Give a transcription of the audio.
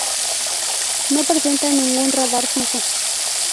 No presenta ningún radar fijo.